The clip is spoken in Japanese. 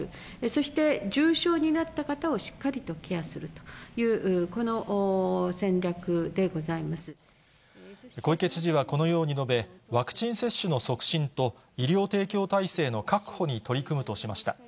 そして重症になった方をしっかりとケアするという、この戦略でご小池知事はこのように述べ、ワクチン接種の促進と、医療提供体制の確保に取り組むとしました。